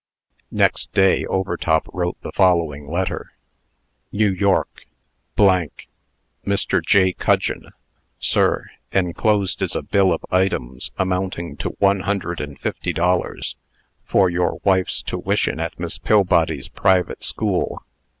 Next day, Overtop wrote the following letter: New York, . MR. J. CUDGEON: SIR: Enclosed is a bill of items, amounting to one hundred and fifty dollars, for your wife's tuition at Miss Pillbody's private school.